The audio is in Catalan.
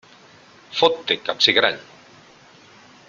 Fot-te, capsigrany!